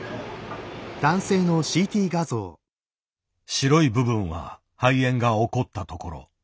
白い部分は肺炎が起こったところ。